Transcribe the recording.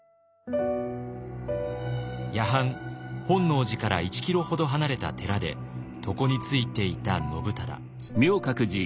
夜半本能寺から１キロほど離れた寺で床に就いていた信忠。